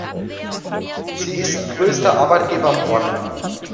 Sie ist größter Arbeitgeber im Ort.